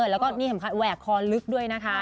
แล้วก็นี่สำคัญแหวกคอลึกด้วยนะคะ